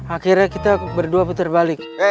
akhirnya kita berdua putar balik